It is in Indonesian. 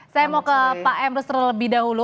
saya mau ke pak emrus terlebih dahulu